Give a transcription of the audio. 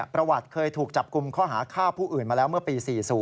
ประวัติเคยถูกจับกลุ่มข้อหาฆ่าผู้อื่นมาแล้วเมื่อปี๔๐